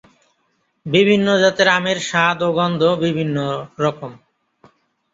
বিভিন্ন জাতের আমের স্বাদ ও গন্ধ বিভিন্ন রকম।